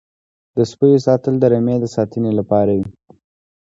د سپیو ساتل د رمې د ساتنې لپاره وي.